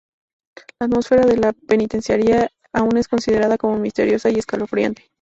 La atmósfera de la penitenciaria aún es considerada como misteriosa y escalofriante.